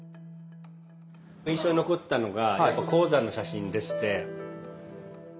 印象に残ったのが鉱山の写真でして。